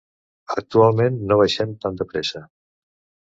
Actualment, no baixem tan de pressa.